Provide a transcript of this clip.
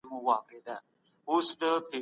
اسلام د نېکمرغۍ لار ښيي.